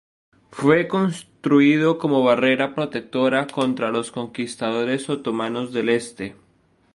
Fue construido como barrera protectora contra los conquistadores otomanos del Este.